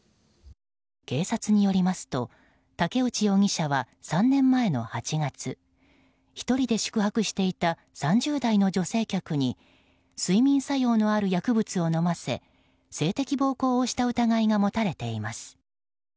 警察によりますと武内容疑者は３年前の８月１人で宿泊していた３０代の女性客に睡眠作用のある薬物を飲ませ性的暴行をした疑いが持たれています。